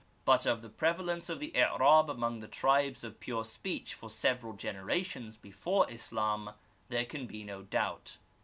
But of the prevalence of the i'rab among the tribes of pure speech for several generations before Islam there can be no doubt.